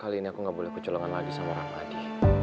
kali ini aku gak boleh kecolongan lagi sama ramadi